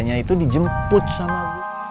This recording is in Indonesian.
dan dia itu dijemput sama gue